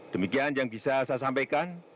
demikian yang bisa saya sampaikan